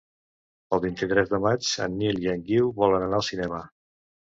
El vint-i-tres de maig en Nil i en Guiu volen anar al cinema.